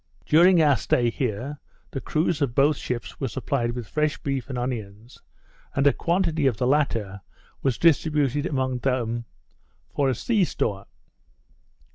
During our stay here, the crews of both ships were supplied with fresh beef and onions; and a quantity of the latter was distributed amongst them for a sea store.